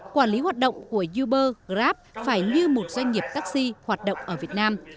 quản lý hoạt động của uber grab phải như một doanh nghiệp taxi hoạt động ở việt nam